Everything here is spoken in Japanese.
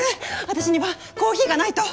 私にはコーヒーがないと。